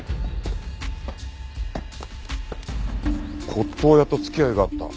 骨董屋と付き合いがあった？